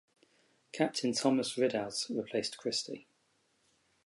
Captain Thomas Ridout replaced Christie.